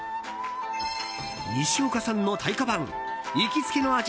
西岡さんの太鼓判、行きつけの味